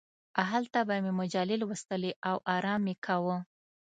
هلته به مې مجلې لوستلې او ارام مې کاوه.